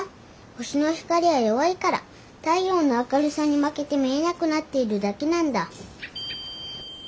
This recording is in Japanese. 星の光は弱いから太陽の明るさに負けて見えなくなっているだけなんだ。